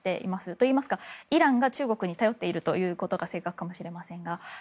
といいますか、イランが中国に頼っているというのが正確かもしれませんが。